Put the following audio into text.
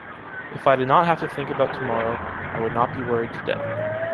If I did not have to think about tomorrow, I would not be worried today.